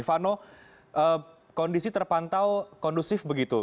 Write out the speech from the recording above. vano kondisi terpantau kondusif begitu